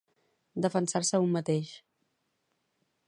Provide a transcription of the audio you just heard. Defensar-se a un mateix